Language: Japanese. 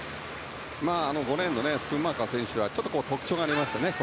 ５レーンのスクンマーカー選手は特徴がありますね。